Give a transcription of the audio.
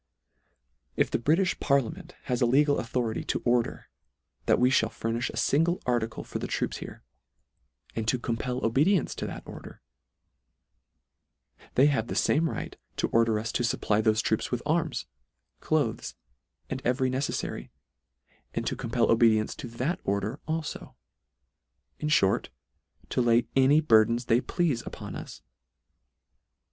8 LETTE R I . If the British Parliament has a legal authority to order, that we (hall fur nifh a fingle article for the troops here, and to compel obedience to that order; they have the fame right to order us to fupply thofe troops with arms, cloaths, and every neceffary, and to compel obedience to that order alio ; in fhort, to lay any burdens they pleafe upon us.